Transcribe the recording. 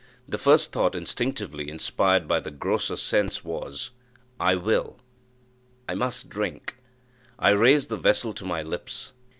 The first thought, instinctively inspired by the grosser sense, was, I will I must drink. I raised the vessel to my lips.